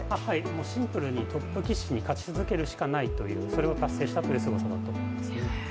シンプルにトップ棋士に勝ち続けるしかないそれを達成したというすごさだと思います。